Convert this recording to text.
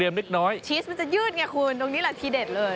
ชีสมันจะยืดไงคุณตรงนี้แหละทีเด็ดเลย